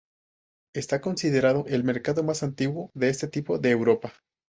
Está considerado el mercado más antiguo de este tipo de Europa.